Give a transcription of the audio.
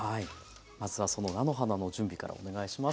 まずはその菜の花の準備からお願いします。